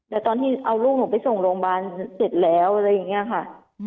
แต่ตอนที่เอาลูกหนูไปส่งโรงพยาบาลเสร็จแล้วอะไรอย่างนี้ค่ะ